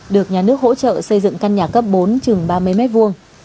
được nhà nước hỗ trợ xây dựng căn nhà cấp bốn chừng ba mươi mét vuông